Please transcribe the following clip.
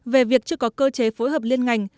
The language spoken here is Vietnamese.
về việc chưa có cơ chế phối hợp liên ngành